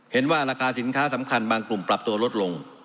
เห็นว่าราคาสินค้าสำคัญบางกลุ่มปรับตัวลดลง